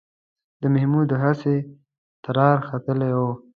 د محمود هسې ټرار ختلی و